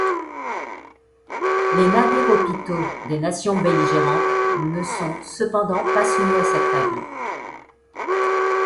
Les navires-hôpitaux des nations belligérantes ne sont cependant pas soumis à cette règle.